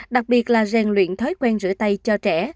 đặc biệt là rèn luyện thói quen rửa tay cho trẻ